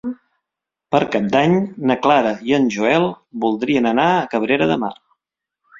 Per Cap d'Any na Clara i en Joel voldrien anar a Cabrera de Mar.